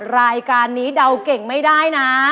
รายการนี้เดาเก่งไม่ได้นะ